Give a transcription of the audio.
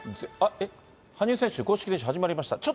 あっ、羽生選手、公式練習始まりました？